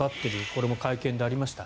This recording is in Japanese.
これも会見でありました。